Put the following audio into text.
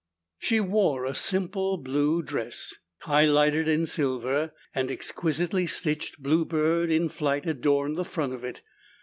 She wore a simple blue dress. Highlighted in silver, an exquisitely stitched blue bird in flight adorned the front of it.